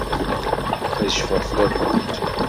Ad cfuɣ fell-akent.